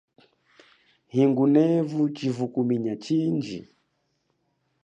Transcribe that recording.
Hingunevu chivukuminya chindji.